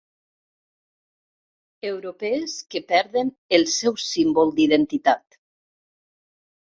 Europees que perden el seu símbol d'identitat.